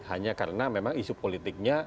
hanya karena memang isu politiknya